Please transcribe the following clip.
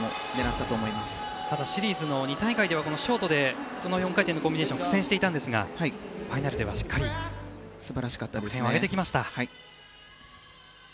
ただ、シリーズの２大会では、このショートで４回転のコンビネーションに苦戦していましたがファイナルではしっかり点を挙げてきました。